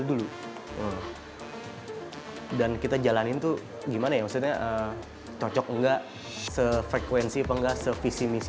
dulu dan kita jalanin tuh gimana ya maksudnya cocok enggak sefrekuensi penggas servisi misi